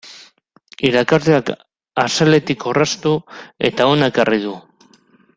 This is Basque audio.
Irakasleak axaletik orraztu eta hona ekarri du.